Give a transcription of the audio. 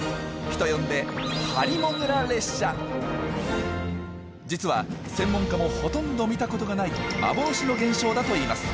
人呼んで実は専門家もほとんど見たことがない幻の現象だといいます。